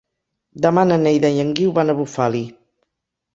Demà na Neida i en Guiu van a Bufali.